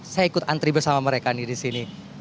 saya ikut antri bersama mereka nih di sini